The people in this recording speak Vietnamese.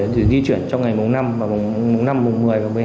để di chuyển cho ngày mùng năm mùng một mươi và mùng một mươi hai